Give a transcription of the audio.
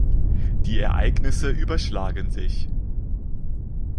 Die Ereignisse überschlagen sich.